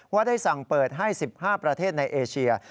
ว่าได้สั่งเปิดให้๑๕ประเทศในเอเชีย